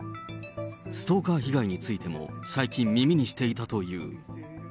ストーカー被害についても、最近、耳にしていたという。